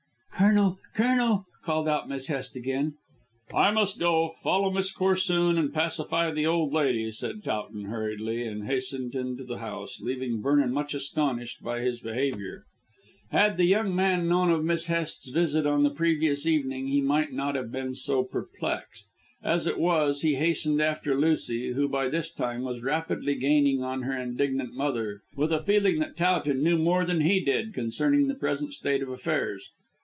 "Colonel, Colonel," called out Miss Hest again. "I must go. Follow Miss Corsoon and pacify the old lady," said Towton hurriedly, and hastened into the house, leaving Vernon much astonished by his behaviour. Had the young man known of Miss Hest's visit on the previous evening, he might not have been so perplexed. As it was, he hastened after Lucy, who by this time was rapidly gaining on her indignant mother, with a feeling that Towton knew more than he did concerning the present state of affairs.